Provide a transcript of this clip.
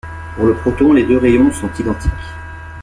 Pour le proton, les deux rayons sont identiques.